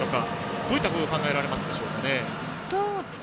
どういったことが考えられますかね。